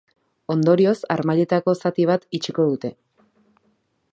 Ondorioz, harmailetako zati bat itxiko dute.